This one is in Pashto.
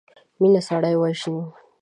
مينه سړی وژني.